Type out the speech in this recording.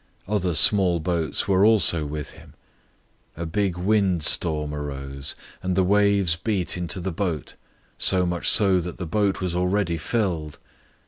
Other small boats were also with him. 004:037 A big wind storm arose, and the waves beat into the boat, so much that the boat was already filled.